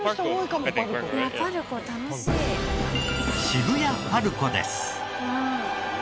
渋谷ＰＡＲＣＯです。